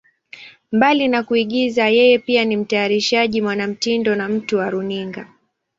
Mbali na kuigiza, yeye pia ni mtayarishaji, mwanamitindo na mtu wa runinga.